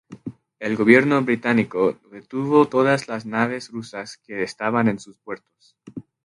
El gobierno británico retuvo todas las naves rusas que estaban en sus puertos.